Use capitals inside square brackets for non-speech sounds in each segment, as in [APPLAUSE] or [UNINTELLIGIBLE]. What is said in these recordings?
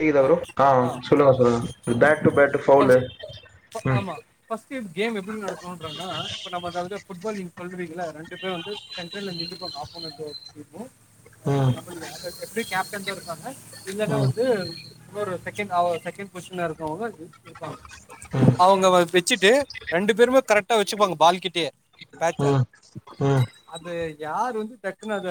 கேக்குதா ஆ ப்ரோ ஆ சொல்லுங்க சொல்லுங்க back to back foul first ம் ஆமா பஸ்டு கேம்மு எப்பிடி நடுக்கநுங்கரனா இப்ப நம்ம அதாவது ஃபுட்பால் நிங்க சொல்ரிங்க இல்ல ரெண்டு பேர் வந்து சென்டர்ல நின்றுபாங்க அப்போனோட் டீமு ம் [UNINTELLIGIBLE] எப்படி கேப் தந்தொருப்பாங்க இல்லனா ம் வந்து இன்னோரு செகண்ட் செகண்ட் பொஷன்ல இருக்கவங்கா இருப்பாங்க ம் அவங்க வா பே வச்சுட்டு ரெண்டு பேருமே கரெக்டா வச்சுப்பாங்க பால்கிட்டேயே பேச்ச ம் ம் அது யார் வந்து டக்குன அத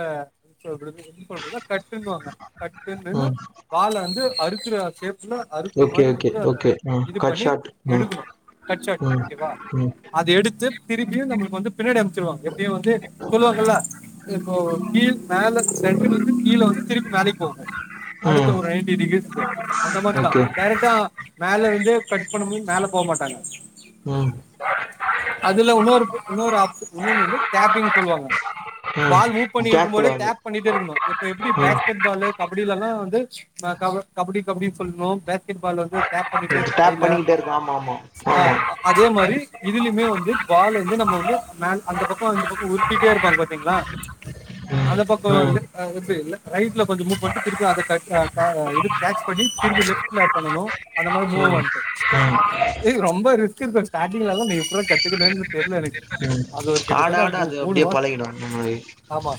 [UNINTELLIGIBLE] கட்டுனு வாங்க கட்டு இல்லெனா ம் பால வந்து அறுக்குற சேப் ஆக்க்ஷுல்லா அறுக்குற ஓகே மாரி ஓகே வந்து அத ஓகே ம் இது கட் பண்ணி ஷாட் ம் எடுக்கணு கட் ஷாட்டு ம் ஓக்கே வா ம் அத எடுத்து திருப்பியு நம்மளுக்கு வந்து பின்னாடி அமைச்சுருவாங்க எப்பியு வந்து சொல்லுவாங்கல்ல இப்போ கீழ் மேல சென்டர்ல இருந்து கீழே வந்து திருப்பியு மேலைக்கு போவு அடுத்த ம் வொரு எஐட்டி டிகிரிஸ் க அந்த மட்ட தா ஓகே டெரெக்டா மேல ருந்தே கட் பண்ணமோ மேல போ மாட்டாங்க ம் அதுல இன்னொரு இன்னொரு ஆப் இன்னொன்னு வந்து கேப்பிங் சொல்லுவாங்க ம் பால் மூவ் பண்ணி கேப்ல இருக்கும்பதே வந்து டேப் பண்ணிட்டே இருக்கணு இப்ப எப்படி ம் பேஸ்கெட் பாலு கபடில்லலா வந்து அ க கபடி கபடினு சொல்லுனு பேஸ்கெட் பால் வந்து டேப் பண்ணிட்டே இருக்கு டேப் கையில பண்ணிக்கிட்டே இருக்கு ஆமா ஆமா ஆ ஆமா அதே மாரி இதுலயுமே வந்து பால் வந்து நம்ம வந்து மேல் அந்த பக்கோ இந்த பக்கோ உருட்டிட்டே இருப்பாங்க பாத்தீங்களா அந்த பக்கோ ம் வந்து எப்ப இல்ல ரைட்ல கொஞ்சம் மூவ் பண்ணிட்டு திருப்பி அத இ கேட்ச பண்ணி திருப்பி லெஃப்ட் பண்ணனும் அந்த மாதிரி ம் மூவ் ரொம்ப ரிஸ்க் இருக்கும் ஸ்டாரிங்ல நீ இப்ப தான் கத்துக்கண தெரியல எனக்கு ம் அது ஒரு ஆட கிட்டதல்ல ஆட மூ அது மூணு அப்டியே மாசம் பழகிடு நம்மளுக்கு ஆமா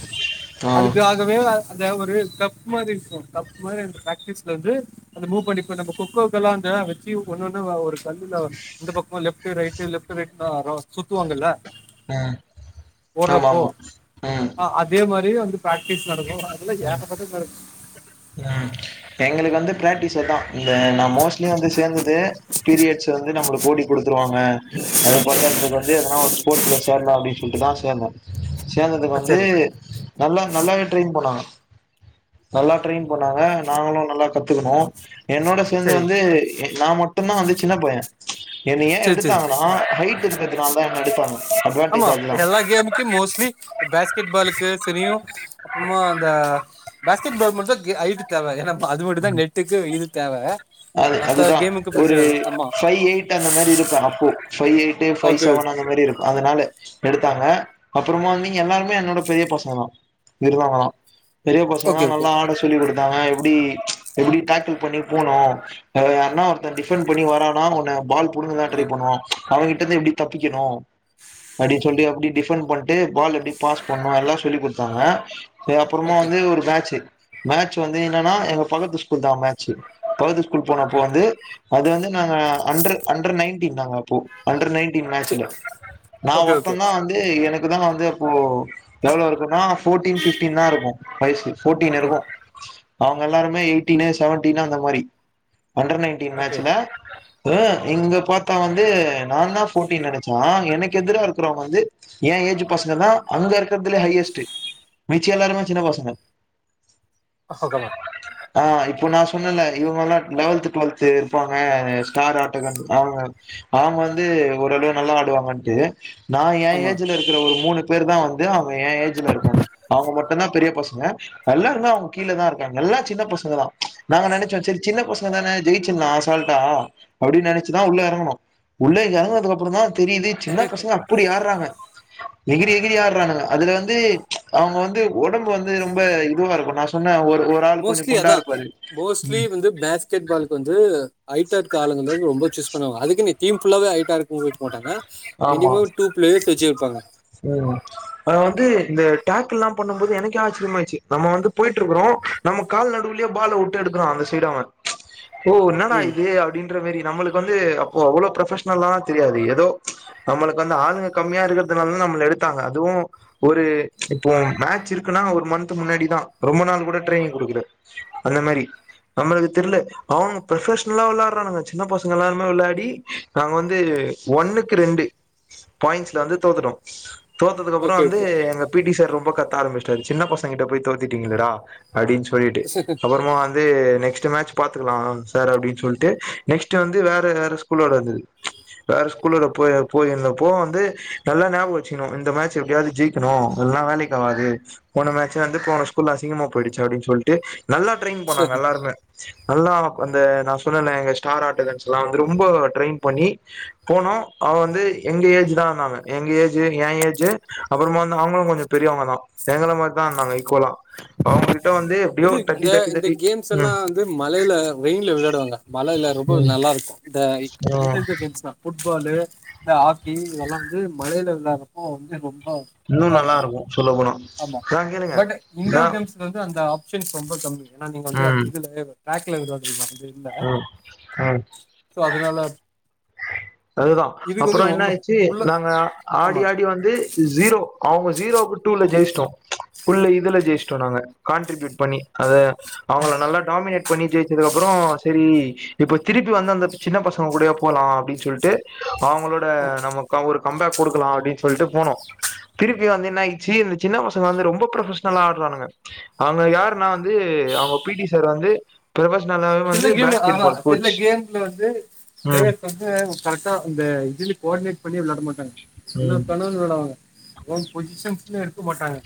ஆ அதுக்காகவே அத ஒரு கப் மாரி இருக்கும் கப் மாரி அந்த பாக்டிஸ் வ மூவ் பண்ணிப்ப நம்ம கொக்கோக்கெல்லாம் வச்சு ஒண்ணு ஒண்ணு ஒரு கல்லுல இந்தந்த பக்கம் லெஃப்ட் ரைட் லெஃப்ட் ரைட் சுத்துவாங்கல்ல ம் ஆமா ஆமா ஆஹ் அதே மாரியே வந்து ப்ராக்டீஸ் நடக்கு அதுல ம் ஏகப்பட்டது நடக்கு ம். எங்களுக்கு வந்து ப்ராக்டிசே தா இதுல நா மோஸ்ட்லி வந்து சேர்ந்ததே பீரியட்ஸ வந்து நம்மளுக்கு ஓடி கொடுத்துருவாங்க அது பத்தாதுன்னு வந்து எதனா ஒரு ஸ்போர்ட்ஸ்ல சேரலா அப்டின்னு இப்ப தா சேந்தே சேர்ந்ததுக்கு ஆ, வந்து சரி நல்லா நல்லாவே ட்ரெயின் பண்ணாங்க நல்லா ட்ரெயின் பண்ணாங்க நாங்களு நல்ல கத்துக்கணு என்னோட சேர்ந்து சரி வந்து நா மட்டுந்தா வந்து சின்ன பைய என்ன ஏ சரி சரி எடுத்தாங்கனா ஹைட் இருக்கிறதுனால அ எடுத்தாங்க ஆமா அட்வான்டேஜ் அதுதான். எல்லா கேம் கி மோஸ்ட்லி பேஸ்கெட்பாலுக்கு சரியு அப்புறமா அந்த பேஸ்கெட்பால் மட்டுந்தா ஐட்டு தேவ ஏன்னா அது மட்டுந்தா நெட்டுக்கு இது தேவ அது மத்த அதுதா கேமுக்கு ஒரு பிரச்சன இல்ல ஆமா ஃபைவ் எயிட் அந்த மாரி இருப்போ அப்போ five eight five okay seven அந்த மாரி இருப்பே அதனால எடுத்தாங்க அப்புறமா வந்து எல்லாருமே என்னோட பெரிய பசங்க தா விடுவாங்களா பெரிய பசங்க தா ஓகே ஓகே நல்லா ஆட சொல்லி கொடுத்தாங்க எப்பிடி எப்டி டேக்கல் பண்ணி போனு வேற யார்னா ஒருத்தன் டிஃபெண்ட் பண்ணி வாரானான் உன்ன பால் புடுங்குனா ட்ரை பண்ணுவோ அவங்கிட்டந்து எப்டி தப்பிக்கனு அப்டின் சொல்ட்டு அப்டி டிஃபன் பண்ட்டு பால் எப்டி பாஸ் பண்ணு எல்லா சொல்லிக் குட்த்தாங்க ஏ அப்புறமா ஓகே வந்து ஒரு பேச்சு மேட்ச் வந்து என்னனா எங்க பக்கத்து ஸ்கூல் தா மேட்ச்சு பக்கத்து கூல் போனப்போ ஓகே வந்து அது வந்து நாங்க அண்டர் அண்டர் நயன்டின் நாங்க அப்போ அண்டர் நயன்டின் சே மேட்ச்ல நா ஓகே ஒருத்த ஓகே தா வந்து எனக்கு இனாமா வந்து இப்போ எவ்ளோ இருக்குனா ஃபோட்டீன் ஃபிப்டீன் தா இருக்கு வயசு ஃபோட்டீன் ஓகே இருக்கு அவுங்க எல்லாருமே எய்ட்டீனு செவன்டினு அந்த மாரி அண்டர் நைன்டீன் ஓகே மேச்சில அ இங்க பாத்தா வந்து நா தா ஃபோட்டீ நெனச்சா எனக்கு எதிரா இருக்குறவங்க வந்து எ ஏஜ் பசங்க தா அங்க இருக்கற்துல ஹையஸ்ட்டு மிச்ச எல்லாருமே சின்ன பசங்க ஹக்ககலா ஆ இப்போ நா சொன்னேல இவ்லோ லெவல்த்து டுவெல்து இருப்பாங்க ஸ்டார் ஆட்டகன் அவுங்க அவுங்க வந்து ஓரளவு நல்லா ஆடுவாங்கன்ட்டு நான் என் ஆமா ஏஜ்ல இருக்கிற ஒரு மூணு பேர் தா வந்து அவுங்க எ ஏஜ்ல இருக்காங்க அவுங்க மட்டுதா பெரிய பசங்க எல்லாருந்தா அவுங்க கீழ தா இருக்காங்க எல்லா சின்ன பசங்கதா ப்ச நாங்க நெனைச்சோ செரி சின்ன பசங் இப்பதானே ஜெயச்சாலாம் அசால்டா அப்படின்னு நினைச்சுதான் உள்ள இறங்கணும் உள்ள இறங்கனதுக்கு அப்புறம் தான் தெரியுது சின்ன பசங்க அப்படி ஆடாறாங்க எகிரி எகிரி ஆடாறாங்கன்னு அதுல வந்து அவங்க வந்து உடம்பு வந்து ரொம்ப இதுவா இருக்கும் நான் சொன்னே ஒரு ஒரு ஆள் கொஞ்சோ மோஸ்ட்லி குண்டா அதான் இருப்பாரு மோஸ்ட்லி ம் வந்து பேஸ் கெட்டு பாலுக்கு வந்து அயிட்டர்காலங்க ரொம்ப சூஸ் பண்ணுவாங்க அதுக்கு நிற்தி டீம் ஃபுல்லாவே அயிட்டா இருக் குவைக்க மாட்டாங்க ஆமா மினிமம் டூபிளேயர்ஸ் வச்சு இருப்பாங்க ம் அத வந்து இந்த டேக்கல்லாம் பண்ணும் போது எனக்கே ஆச்சரியமா ஆயிச்சு நம்ம வந்து போயிட்டு இருக்கிறோம் நம்ம கால் நடுவுலயே பால்வுட்டு எடுக்கிறான் அந்த சைடு அவன் ஓ என்னடா ம் இது அப்படின்ற மாரி நம்மளுக் வந்து அப்போ அவ்ளோ ப்ரொபஷனலா தெரியாது எதோ நம்மளுக்கு வந்து ஆளுங்க கம்மியா இருக்கிறதுனால நம்மல எடுத்தாங்க அதுவும் ஒரு இப்போ மேட்ச் இருக்குன்னா ஒரு மந்த் முன்னாடி தான் ரொம்ப நாள் கூட ட்ரெனிங் குடுக்கல அந்த மேரி நம்மளுக்கு தெரியல அவங்க ப்ரெவஷனலா விளையாடுறங்க சின்ன பசங்க எல்லாருமே விளயாடி நாங்க வந்து ஒன்னுக்கு ரெண்டு பாயிண்ட்ஸ்ல வந்து தோத்துடோம் தோத்ததுக்கு அப்பறம் ஓகே வந்து எங்க பி டி சார் ரொம் போ கத்த ஆரம்பிச்டாரு சின்ன பசங்கிட்ட போய் தோத்திட்டீங்கேளடா அப்டின்னு சொல்லிட்டு அப்புறமா வ ந்து நெஸ்ட் மேட்ச் பாத்துக்கலாம் சார் அப்படின்னு சொல்லிட்டு நெக்ஸ்டு வந்து வேற வேற ஸ்கூலோட வந்தது வேற ஸ்கூலோட போய் போயிருந்தப்போ வந்து நல்லா ஞாபக வச்சக்கணும் இந்த மேட்ச் எப்படியாவது ஜெயிக்கணும் இல்லான வேலைக்கு ஆவாது போன மேட்ச் வந்து உ போன ஸ்கூல்ல அசிங்கமா போயிடுச்சு அப்படின்னு சொல்லிட்டு நல்லா ட்ரெயின் ஓகே பண்ணாங்க எல்லாருமே நல்லா அந்த நா சொன்னல எங்க ஸ்டார் ஆட்டகன்ஸ்லா எல்லாம் வந்து ரொம்ப ட்ரெயின் பண்ணி போனோம் அவன் வந்து எங்க ஏஜ் தான் நாங்க எங்க ஏஜ் என் ஏஜு அப்புறமா அவங்களும் கொஞ்சம் பெரியவங்க தான் எங்கள மாரி தான் ஆடுனாங்க ஈக்குவலா அவங்ககிட்ட வந்து எப்டியோ இது தட்டி இந்த தட்டி இந்த தட்டி ம் கேம்ஸ்லாம் வந்து மலையில வெயின்ல விளையாடுவாங்க மலையில்ல ரொம்ப ம் நல்லா இருக்கும் ஆ இந்த இந்த கேம்ஸ்தாம் ஃபுட்பாலு ஹாக்கி இதெல்லாம் வந்து மழலை விளையாடறப்போ வந்து ரொம்ப இன்னும் நல்லா இருக்கும் சொல்லபோன அமா பட் இன்டோர் கேம்ஸ் வந்து அந்த த ஆப்ஷன்ஸ் ரொம்ப கம்மி ஏன்னா நீங்க வந்து அது ம் இதுல பேக்கல இருவது ரூபா பில்ல அ ம் சோ அதனால அதுதான் இதுக்கு வந்து அப்புறம் என்ன ரொம்ப ஆச்சு ஃபுல்லா நாங்க ஆடி ஆமா ஆடி வந்து ஜீரோ அவங்க ஜீரோ டூல ஜெயிட்டோம் ஃபுல் இதுல ஜெயிட்டோம் நாங்க கான்ட்பியூட் பண்ணி அத அவங்கள நல்லா டாமினேட் பண்ணி ஜெயிச்சது அப்புறோ செரி இப்ப திருப்பி வந்து அந்த சின்ன பசங்க கூடையேப் போலாம் அப்படின்னு சொல்ட்டு அவங்களோட நமக்கு ஒரு கம்பேக் கொடுக்கலா அப்படின்னு சொல்லிட்டு போனோம் திருப்பி வந்து என்ன ஆயிச்சு இந்த சின்ன பசங்க வந்து ரொம்ப ப்ரொபஷனல்லா ஆடுறங்க அவங்க யாருன்ன வந்து அவங்க பி டி சார் வந்து ப்ரொபஷ சின்ன கேம் ஆதான் சில்ல கேம்ஸ்ல வந்து ம் பிளேயர்ஸ் வந்து கரெக்டா அ இந்த இதுல கோஆர்டினேட் பண்ணிய விளையாட மாட்டாங்க என்னா ம் கனவன் விளாடவாங்க ஒவுன் பொசிஷன்ஸும் எடுக்க மாட்டாங்க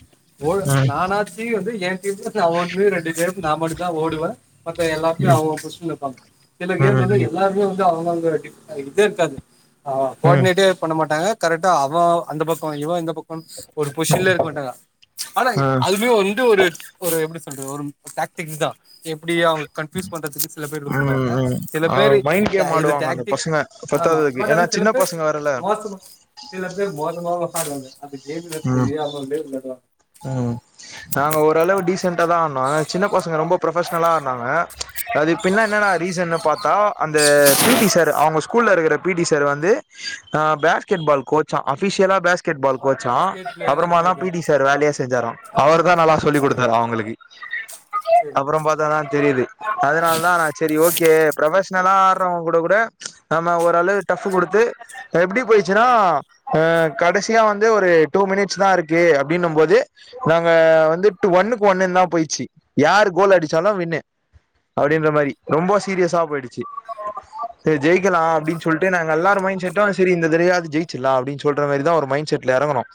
ஓ ம் நானாச்சி வந்து என் டீமுக்கு நான் வந்து ரெண்டு பேருக்கு நான் மட்டு தான் ஓடுவன் மத்த எல்லா எல்லாம் அவங்க ம் அவங்க பொசிஷன்ல இருப்பாங்க சில ம் கேம் ம் வந்து ம் எல்லாருமே வந்து து அவங்க அடி இதது இருக்காது ஆஹ கோஆர்டினேட்யே பண்ண மாட்டாங்க கரெக்டா அவ அந்த பக்ககோ இவ இந்த பக்ககோ ஒன்ஸ் ஒரு பொசிஷன்ல இருக்க மாட்டாங்க ஆனா ம் அதுமே வந்து ஒரு ஒரு எப்படி சொல்றது [UNINTELLIGIBLE] டேட்டிக்ஸ்தான் எப்படியே அவங்க கன்ஃயூஸ் பண்றதுக்கு சில பேர் விருப்ப படுவாங்க ம் சில ஆ மைண்ட் பேர்க ஆ கேம் இது ஆடுவாங்க அந்த டேட்டிக் பசங்க ஆமா பத்தாததுக்கு பட் ஏன்னா ஆனா சில சின்ன பேர் பசங்க வேறல்ல மோசமா சில பேர் மோசமவாலா விளையாடுவாங்க [UNINTELLIGIBLE] கேம் இது ம் தெரியாமலே இருந்திருக்கலா ம் நாங்க ஓரளவு டீசன்ட் ஆனா சின்ன பசங்க ரொம்ப ப்ரொபஷன்லா ஆடுனாங்க ச்சு அதாது பின்ன என்னன்ன ரீசன் பாத்தா அந்த பி டி சார் அவங்க ஸ்கூல இருக்க பி டி சார் வந்து பேஸ்கெட்பால் கோ அபிஷியலா பேஸ்கெட்பால் கோச்சா ஸ்டேட் பிளேயரா அப்புறமா தான் இருப்பாங்க பி டி சார் வேலையே செஞ்சாரா அவர் அத நல்லா சொல்லிக் சரி கொடுத்தரு அவங்களுக்கு சரி அப்புறம் பாத்த தான் தெரியுது அதனால தான் செரி ஓகே ப்ரொபஷன் நல்லா ஆடுறவங்க கூட கூட ச்சு நம்ம ஓரளவு டஃப் கொடுத்து எப்படி போயிச்சுன்னா கடைசியா வந்து ஒரு டூ மினிட்ஸ் தான் இருக்கு அப்படின்னும் போது நாங்க வந்துட்டு ஒன்னுக்கு ஒன்னு தான் போயிடுச்சு யாரு கோல் அடிச்சாலும் வின்னு அப்படின்ற மாதிரி ரொம்ப சீரியஸா போயிடுச்சு செரி ஜெயிக்கலா அப்படின்னு சொல்லிட்டு நாங்க எல்லார மைண்ட் செட்டும் சரி இந்த தையாவது ஜெயிச்சிடலா அப்படின்னு சொல்ற மாதிரிதான் ஒரு மைண்ட் செட்ல இறங்கணோம்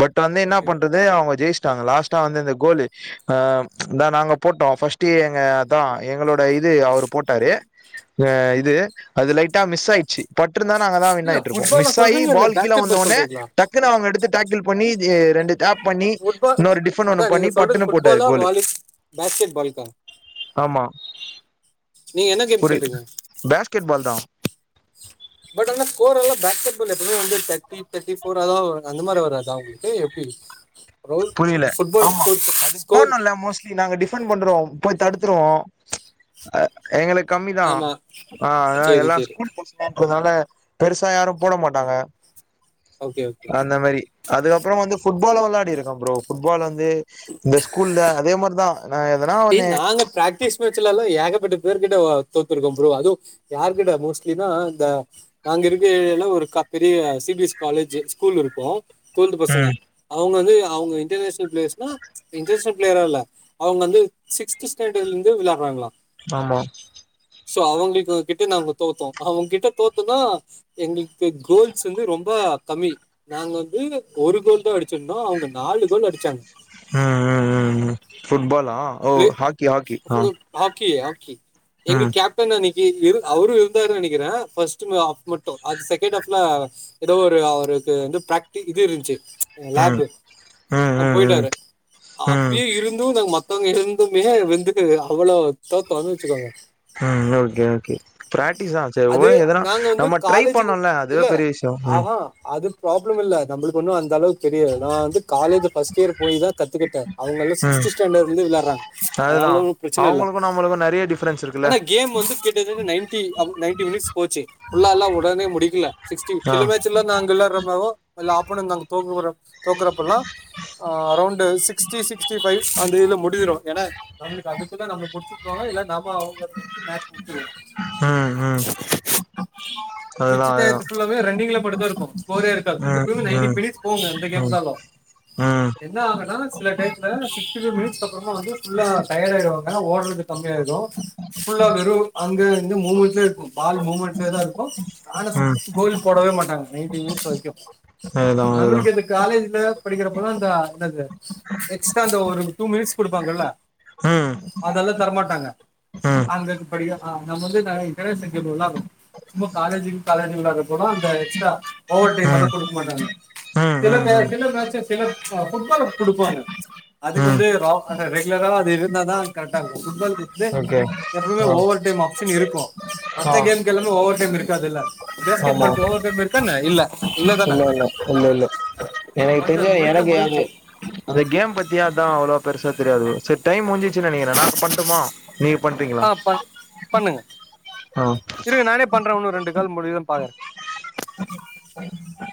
பட் வந்து என்ன ஓகே ஓகே. பண்றது அவங்க ஜெயிச்சிட்டாங்க லாஸ்டா வந்து அந்த கோல்லு அஅ ச்சு நாங்க போட்டுட்டோம் ஃபஸ்ட் எங்க அதா எங்களோட இது அவுரு போட்டாரு இது அது லைட்டா மிஸ் ஆயிச்சு பட் தான் நாங்க தான் இல்ல வின்னாயிட்டு இருப்கோம் ஃபுட்பால மிஸ்ஸாயி சொல்றீங்க இல்ல பால் கீழ பேஸ்கெட் வந்தவுடனே சொல்றீங்களா டக்குன்ன அவங்க எடுத்துட்டு டக்கிள் பண்ணி ஜீ ரெண்டு டேப் பண்ணி ஃபுட்பால் இன்னொரு டிஃபன் ஒன்னு அதான் நீங்க பண்ணி சொல்றது பட்டுன்னு போட்டாரு ஃபுட்பாலா கோலு வாலி பேஸ்கெட் பால்க்கா ஆமா நீங்க என்ன கேம் ஒரு சொல்றீங்க பேஸ்கெட் பால் தான் பட் ஆனா ஸ்கோர் எல்லா பேஸ்கட் பால்ல எப்பவுமே வந்து தேர்டி தேர்ட்டி ஃபோர் அத மாரி அந்த மாரி வராதா உங்களுக்கு எப்டி புரியல ஆமா அது போனும்ல்ல மோஸ்ட்லி நாங்க டி ஃபன்ட் பண்றோ போய் தடுத்துருவோ அ எங்களுக்கு கம்மி தா ஆமா ஆஹ் அதா சரி எல்லா சரி ஸ்கூல் பசங்கன்றதுனால பெருசா யாரும் போட மாட்டாங்க ஓகே ஓகே அந்த மேரி அதுகப் அப்ற வந்து ஃபுட்பாலு விளையாடிரு ஆ ப்ரோ ஃபுட்பால் வந்து து இந்த ஸ்கூல்ல அதே மாரி வா ஏ நாங்க ப்ராக்டிஸ் மேச்லல்லா ஏக ப்பட்ட பேர்கிட்ட ஓ தோத்துருக்க ப்ரோ அதும் யாருகிட்ட மோஸ்ட்லினா இந்த நாங்க இருக்க ஏரியாள ஒரு க பெரிய C B S C college school இருக்கு ட்டுவல்த்து பசங்க ம் அவங்க வந்து அவங்க இன்டர்நேஷனல் பிளேயர்ஸ்னா இன்டர்நேஷனல் பிளேயரா இல்ல அவங்க வந்து சிக்ஸ்த் ஸ்டாண்டர்டலந்து விளையாடறாங்களா ஆமா சோ அவங்ளுக்கு கிட்ட நாங்க தோத்தோம் அவங்கிட்ட தோத்தோம்னா எங்ளுக்கு கோல்ஸ் வந்து ரொம்ப கம்மி நாங்க வந்து ஒரு கோல் தா அடி ச்ருந்தோ அவங்க நாலு கோலு அடிச் ச்சாங்க உம் உம் உம் ஃபுட்பால் ஆஹ் ஓ ஹாக்கி ஹாக்கி ஆஹ் க்கி எங்க கேப்டனா நீ கி அவரு இருந்தாருனு நினைக்கிற ஃபர்ஸ்டு ஆஃப் மட்டு அது செகண்ட் ஹாஃப்ல ஏதோ ஒரு அவருக்கு வந்து பிராக்டி இது இருந்ச்சு ம் ம் லேபு ம் ஆ ம் போயிட்டாரு ம் அப்பிய இருந்தும் நா மத்த மத்தவங்க இருந்துமே வந்து அவ்ளோ தோத்தன்னு வச்சுக்கோங்க ஹம் ஓகே ஓகே ப்ரேக் டீஸ் ஆச்சே அது எதுனா நாங்க வந்து நம்ம ட்ரை காலேஜுக்கு பண்ணல்ல அதுவே இல்ல பெரிய விஷ்யம் ஆஹா அது ப்ராப்ளம் இல்ல நம்புளுக்கு ஒன்னும் அந்தளவு தெரியாது நா வந்து காலேஜு ஃபர்ஸ்ட் இயர் போய் தா கத்துக்கிட்ட அவங்களா ம் சிக்ஸ்த் ஸ்டேண்டடாலருந்தே விளையாட்றாங்க அதுதா அதனால ஒன்னு பிரச்சன இல்ல அவங்களுக்கு நம்மளுக்கு நெறைய டிஃப்ரென்ஸ் இருக்குல்ல ஆனா கேம் வந்து கிட்டதட்ட நைன்டி அ நைன்டி போச்சு ஃபுல்லாலா உடனே முடிக்கல சிக்ஸ்டி ஆ சில பேச்சலாம் நாங்க [UNINTELLIGIBLE] அப்புட நாங்க தோக்க போறோம் தோக்குறப்பல்லா ஆஹ் அரௌண்டு சிக்ஸ்டி சிக்ஸ்டிஃபைவ் அந்த இதுல முடிஞ்சுரு ஏனா நம்ளுக்கு அதுக்குதா நம்ம குடுத்துட்டுவாங்க இல்ல நம அவங்க புடிச்சு மேட்ச் முடிச்சுருவோ ஹ்ம் மிச்ச அதுதா அதுதா டையத்த ஃபுல்லாமே ரன்னிங்ல மட்டுதா இருக்கு ஸ்கோரே இருக்காது ம் எப்பயுமே நைன்டின் ம் மினிட்ஸ் போங்க எந்த கேம் ம் இருந்தாலு ம் என்ன ஆகுனா சில டையத்ல சிக்ஸிடிஃபைவ் மினிட்ஸ் அப்றமா வந்து ஃபுல்லா டயடாயிடுவாங்க ஓட்றது கம்மியாயிடு ஃபுல்லா வெறு அங்க வந்து மூமெண்ட்ல இருக்கு பால் மூமெண்ட்லேதா இருக்கு ம் ஆனஸ்ட் கோல் போடவே மாட்டாங்க நைன்ட்டி மினிட்ஸ் வரைக்கு அதுதா அதுதா நம்ளுக்கு இந்த காலேஜ்ல படிக்கிறப்பல இந்த இந்தது எக்ஸ்ட்ரா ஒரு டூ மினிட்ஸ் குடுப்பாங்கல்ல ம் அதலா தரமாட்டாங்க ம் அங்க படிக்க அ அவுங்க வந்து இந்த [UNINTELLIGIBLE] சும்மா காலேஜ் காலேஜ் இல்லாதப்பதா அந்த எக்ஸ்ட்ரா ஓவர் டைம் வந்து ம் குடுக்க மாட்டாங்க ம் ம் சில மேட்ச் ம் சில மேட்ச் சில ஃபுட்பாலுக் குடுப்பாங்க அதுக்கு ம் வந்து ரா ரெகுலரா அது இருந்தாதா கரெக்ட்டா இருக்கு ஃபுட்பால்க்கு வந்து ஓகே எப்பவுமே ஆ ஓவர் டைம் ஆப்சன் இருக்கு ஆ மத்த கேம்க்கு எல்லாமே ஓவர் டைம் இருக்காதுல்ல பேஸ்கேட் ஆமா பால்க்கு ஓவர் டைம் இருக்கா என்ன இல்ல இல்லதான இல்ல இல்ல இல்ல இல்ல எனக்கு ஒன்ஸ் தெரிஞ்சு அது முடிச்சா எனக்கு அது முடிஞ்ச்சு அது கேம் பத்தி அதா அவ்ளோ பெருசா தெரியாது செரி டைம் முடிஞ்சி ருச்சு நெனைக்குற நா பண்ட்டுமா நீங்க பண்றிங்களா ஆ பண் பண்ணுங்க இருங்க நானே பண்றே உன்னு ரெண்டு கால் முடியுதான் பாக்குறே ஆ